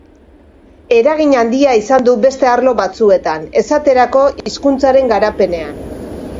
Eragin handia izan du beste arlo batzuetan, esaterako, hizkuntzaren garapenean.